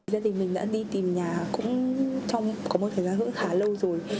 gia đình mình đã đi tìm nhà cũng có một thời gian hưởng khá lâu rồi